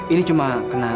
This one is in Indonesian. ini cuma kena